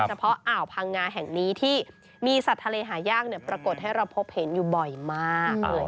อ่าวพังงาแห่งนี้ที่มีสัตว์ทะเลหายากปรากฏให้เราพบเห็นอยู่บ่อยมากเลย